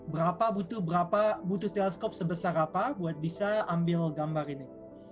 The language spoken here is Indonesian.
berapa butuh berapa butuh teleskop sebesar apa buat bisa ambil gambar ini